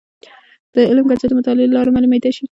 د علم کچې د مطالعې له لارې معلومیدلی شي.